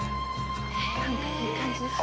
なんかいい感じですね。